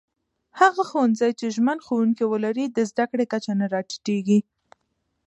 هغه ښوونځي چې ژمن ښوونکي ولري، د زده کړې کچه نه راټيټېږي.